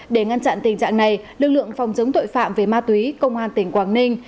để ngăn chặn tình trạng này lực lượng phòng chống tội phạm về ma túy công an tỉnh quảng ninh